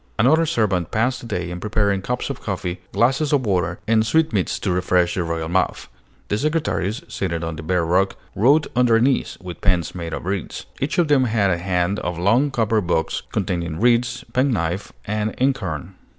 Another servant passed the day in preparing cups of coffee, glasses of water, and sweetmeats to refresh the royal mouth. The secretaries, seated on the bare rock, wrote on their knees, with pens made of reeds. Each of them had at hand a long copper box containing reeds, penknife, and inkhorn.